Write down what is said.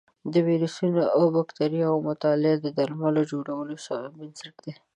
د ویروسونو او بکتریاوو مطالعه د درملو جوړولو بنسټ دی.